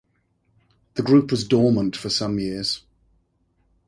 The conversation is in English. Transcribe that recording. The group was dormant for some years.